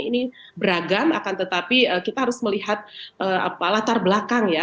ini beragam akan tetapi kita harus melihat latar belakang ya